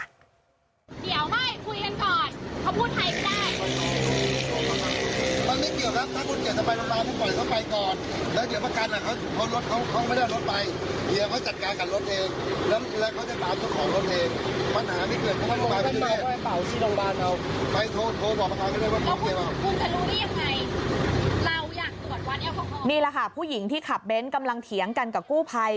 นี่แหละค่ะผู้หญิงที่ขับเบ้นกำลังเถียงกันกับกู้ภัย